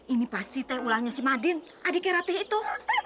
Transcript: ini pasti teh ulangnya si madin adiknya ratih itu